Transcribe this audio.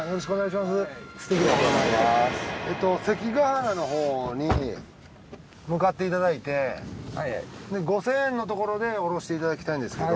関ケ原のほうに向かっていただいて５，０００円のところで降ろしていただきたいんですけど。